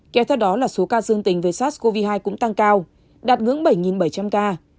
kéo theo đó là số ca dương tính với sars cov hai cũng tăng cao đạt ngưỡng bảy bảy trăm linh ca